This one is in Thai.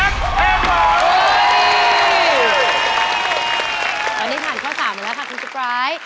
ตอนนี้ถัดข้อ๓บีลละค่ะคุณสไปร์ย์